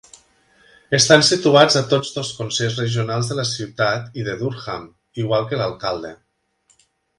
Estan situats a tots dos consells regionals de la ciutat i de Durham, igual que l'alcalde.